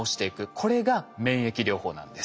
これが免疫療法なんです。